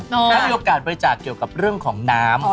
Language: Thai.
ถ้ามีโอกาสบริจาคเกี่ยวกับเรื่องของน้ำ